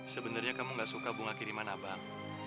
sebenarnya kamu gak suka bunga kiriman abang